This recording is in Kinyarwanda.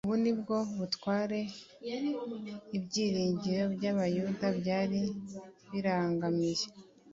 Ubu nibwo butware ibyiringiro by’Abayuda byari birangamiye